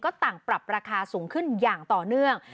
ก็ต่างปรับราคาสูงขึ้นอย่างต่อเนื่อง